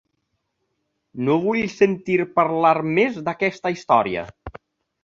No vull sentir parlar més d'aquesta història.